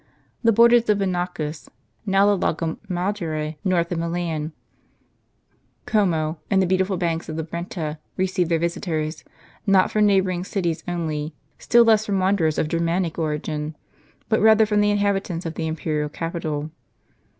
The borders of Benacus (now the Lago Maggiore, north of Milan), Como, and the beautiful banks of the Brenta, received their visitors not from neighboring cities only, still less from wan derers of G ermanic origin, but rather from the inhabitants of the imperial capital.